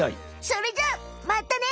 それじゃあまたね。